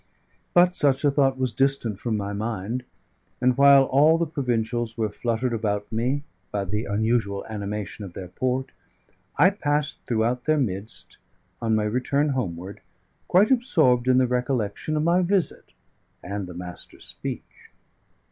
But such a thought was distant from my mind; and while all the provincials were fluttered about me by the unusual animation of their port, I passed throughout their midst on my return homeward, quite absorbed in the recollection of my visit and the Master's speech.